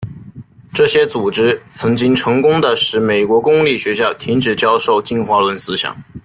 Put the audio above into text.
这些组织曾经成功地使美国公立学校停止教授进化论思想。